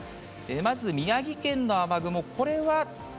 まず、宮城県の雨雲、これは